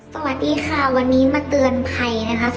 สวัสดีค่ะวันนี้มาเตือนภัยนะคะ